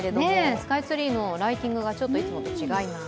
スカイツリーのライティングがいつもと違います。